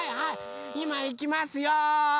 いまいきますよ！